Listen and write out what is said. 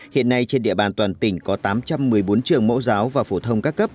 hiện nay trên địa bàn toàn tỉnh có tám trăm một mươi bốn trường mẫu giáo và phổ thông các cấp